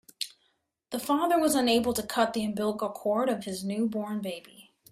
The father was unable to cut the umbilical cord of his newborn baby.